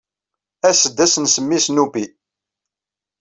As-d ad as-nsemmi Snoopy.